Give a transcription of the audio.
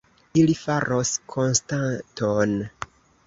Ili faros konstaton.